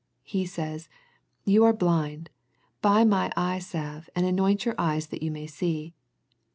He says You are blind, buy My eye salve and anoint your eyes that you may see.